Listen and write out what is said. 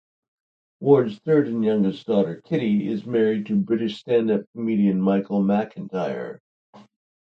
Ward's third and youngest daughter, Kitty, is married to British stand-up comedian Michael McIntyre.